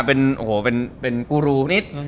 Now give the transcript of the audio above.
เป็นกูรู